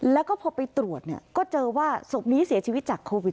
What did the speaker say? แล้วก็พอไปตรวจก็เจอว่าศพนี้เสียชีวิตจากโควิด